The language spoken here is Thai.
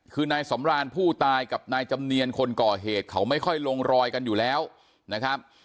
คือนายสำรานผู้ตายกับนายจำเนียนคนก่อเหตุเขาไม่ค่อยลงรอยกันอยู่แล้วนะครับ